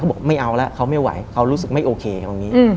บอกไม่เอาแล้วเขาไม่ไหวเขารู้สึกไม่โอเคตรงนี้